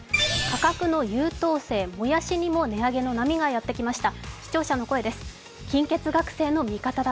価格の優等生・もやしにも値上げの波がきました。